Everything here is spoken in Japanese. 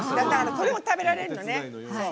これも食べられるのね。